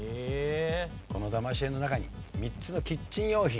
このだまし絵の中に３つのキッチン用品。